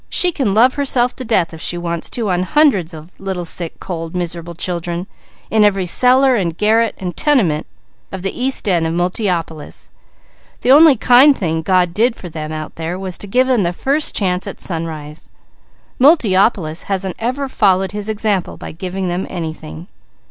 She can love herself to death if she wants to on hundreds of little, sick, cold, miserable children, in every cellar and garret and tenement of the east end of Multiopolis. The only kind thing God did for them out there was to give them the first chance at sunrise. Multiopolis hasn't ever followed His example by giving them anything."